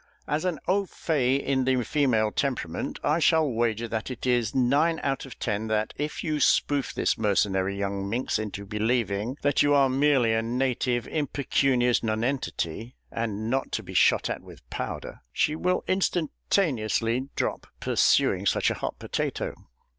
As an au faït in the female temperament, I shall wager that it is nine out of ten that if you spoof this mercenary young minx into believing that you are merely a native impecunious nonentity, and not to be shot at with powder, she will instantaneously drop pursuing such a hot potato."